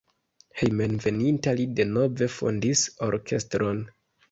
Hejmenveninta li denove fondis orkestron.